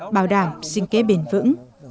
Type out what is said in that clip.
bảo đảm sinh kế bền vững